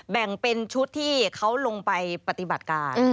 แบ่งเป็นชุดที่เขาลงไปปฏิบัติการ